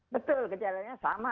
betul gejalanya sama